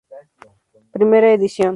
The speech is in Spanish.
Primera edición.